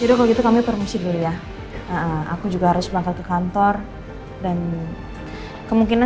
jadi kalau gitu kami permisi dulu ya aku juga harus bangkit ke kantor dan kemungkinan